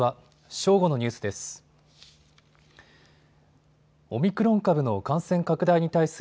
正午のニュースです。